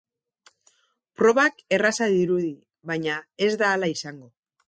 Probak erraza dirudi, baina ez da hala izango.